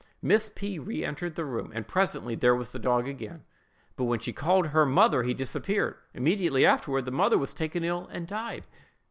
Miss P—— re entered the room, and presently there was the dog again; but when she called her mother, he disappeared. Immediately afterward, the mother was taken ill and died.